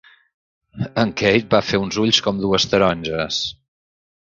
En Keith va fer uns ulls com dues taronges.